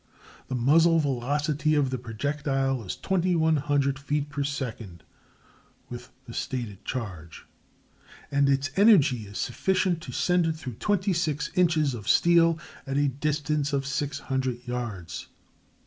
The muzzle velocity of the projectile is 2100 feet per second, with the stated charge, and its energy is sufficient to send it through 26 inches of steel at a distance of 600 yards.